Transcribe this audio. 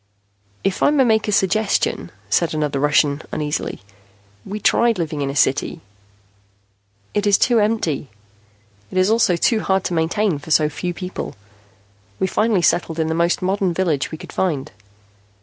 "If I may make a suggestion," said another Russian uneasily. "We tried living in a city. It is too empty. It is also too hard to maintain for so few people. We finally settled in the most modern village we could find."